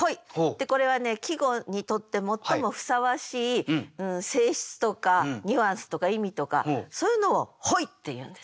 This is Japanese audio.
でこれはね季語にとって最もふさわしい性質とかニュアンスとか意味とかそういうのを本意っていうんです。